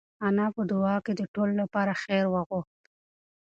انا په دعا کې د ټولو لپاره خیر وغوښت.